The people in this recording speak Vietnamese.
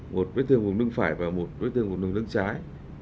một vết thương vùng lưng phải và một vết thương vùng lưng trái